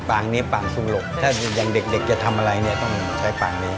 ปางนี้ปางสูงหลบถ้าอย่างเด็กจะทำอะไรต้องใช้ปางนี้